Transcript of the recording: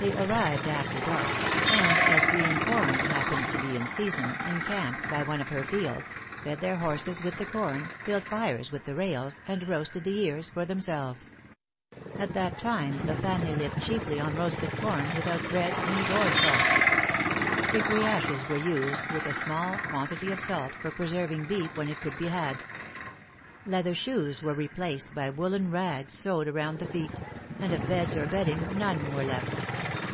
They arrived after dark; and as green corn happened to be in season, encamped by one of her fields, fed their horses with the corn, built fires with the rails, and roasted the ears for themselves. At that time, the family lived chiefly on roasted corn, without bread, meat, or salt. Hickory ashes were used, with a small quantity of salt, for preserving beef when it could be had. Leather shoes were replaced by woollen rags sewed round the feet; and of beds or bedding none were left.